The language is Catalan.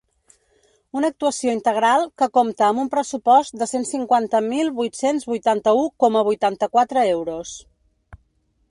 Una actuació integral que compta amb un pressupost de cent cinquanta mil vuit-cents vuitanta-u coma vuitanta-quatre euros.